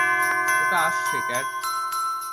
ওটা আসছে, ক্যাট!